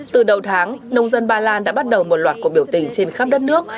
từ đầu tháng nông dân ba lan đã bắt đầu một loạt cuộc biểu tình trên khắp đất nước